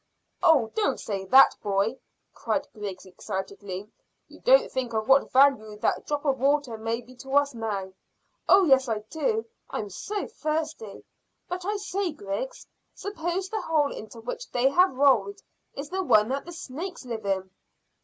"Oh, don't say that, boy!" cried Griggs excitedly. "You don't think of what value that drop of water may be to us now." "Oh yes, I do. I'm so thirsty; but I say, Griggs, suppose the hole into which they have rolled is the one that the snakes live in."